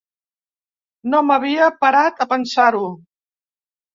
No m’havia parat a pensar-ho.